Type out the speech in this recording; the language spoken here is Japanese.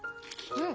うん。